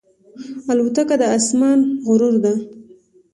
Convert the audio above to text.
الوتکه د آسمان غرور ده.